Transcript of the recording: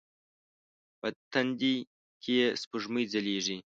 په تندې کې یې سپوږمۍ ځلیږې